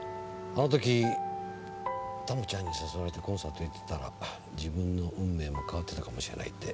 あの時珠ちゃんに誘われてコンサートへ行ってたら自分の運命も変わってたかもしれないって三輪さんが。